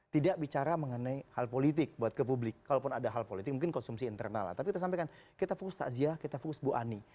tidak bicara mengenai hal politik buat ke publik kalaupun ada hal politik mungkin konsumsi internal lah tapi kita sampaikan kita fokus takziah kita fokus bu ani